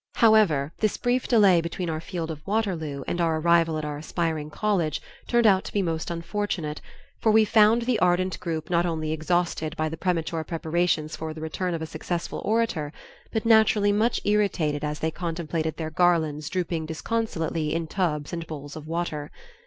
However, this brief delay between our field of Waterloo and our arrival at our aspiring college turned out to be most unfortunate, for we found the ardent group not only exhausted by the premature preparations for the return of a successful orator, but naturally much irritated as they contemplated their garlands drooping disconsolately in tubs and bowls of water.